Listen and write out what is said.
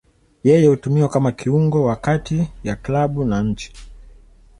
Yeye hutumiwa kama kiungo wa kati ya klabu na nchi.